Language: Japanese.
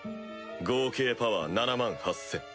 合計パワー７８０００。